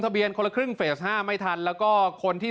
เบียนคนละครึ่งเฟส๕ไม่ทันแล้วก็คนที่